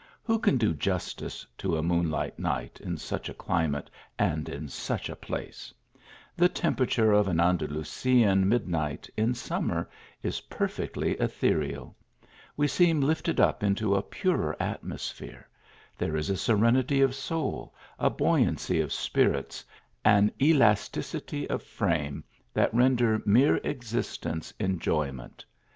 Who can do justice to a moonlight night in such a climate, and in such a place ! The temperature of an Andalusian midnight, in summer is perfectly ethereal. We seem lifted up into a purer atmosphere ; there is a serenity of soul, a buoyancy of spirits, an elasticity of frame that render mere ex istence enjoyment.